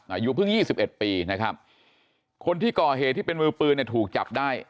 อายุเพิ่งยี่สิบเอ็ดปีนะครับคนที่ก่อเหตุที่เป็นมือปืนเนี่ยถูกจับได้